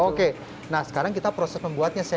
oke nah sekarang kita proses membuatnya chef